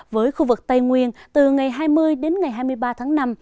với khu vực tây nguyên từ ngày hai mươi đến ngày hai mươi ba tháng năm